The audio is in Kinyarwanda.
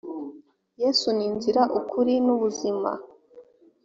yesu ni inzira, ukuri, n’ubuzima